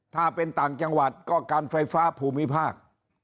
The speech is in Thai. ถ้าเป็นต่างจังหวัดก็การไฟฟ้าภูมิภาค